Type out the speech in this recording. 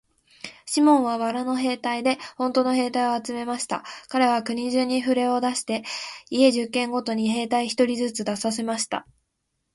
シモンは藁の兵隊でほんとの兵隊を集めました。かれは国中にふれを出して、家十軒ごとに兵隊一人ずつ出させました。